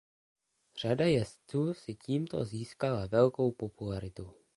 Řada jezdců si tímto získala velkou popularitu.